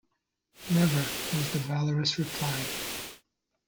‘Never!’ was the valorous reply.